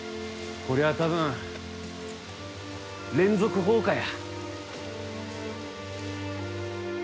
こりゃ多分連続放火や。